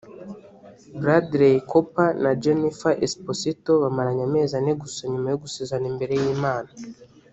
Bradley Cooper na Jennifer Esposito bamaranye amezi ane gusa nyuma yo gusezerana imbere y’ Imana